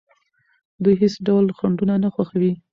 دوی هیڅ ډول خنډونه نه خوښوي.